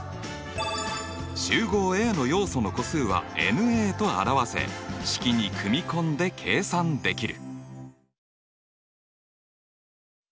集合Ａの要素の個数はｎと表せ式に組み込んで計算できる。